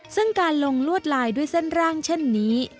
ซึ่งการลงลวดลายด้วยเส้นร่างเช่นนี้